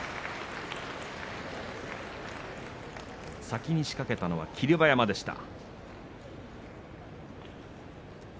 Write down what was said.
先に仕掛けたのは霧馬山でした。